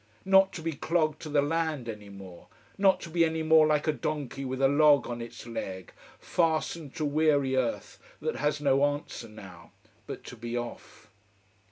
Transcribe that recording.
Not to be clogged to the land any more. Not to be any more like a donkey with a log on its leg, fastened to weary earth that has no answer now. But to be off.